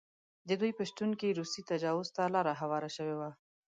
د دوی په شتون کې روسي تجاوز ته لاره هواره شوې وه.